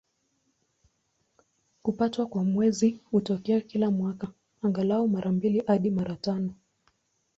Kupatwa kwa Mwezi hutokea kila mwaka, angalau mara mbili hadi mara tano.